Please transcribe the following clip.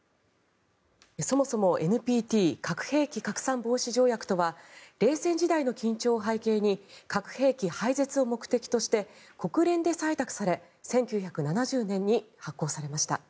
そもそもＮＰＴ・核兵器拡散防止条約とは冷戦時代の緊張を背景に核兵器廃絶を目的として国連で採択され１９７０年に発効されました。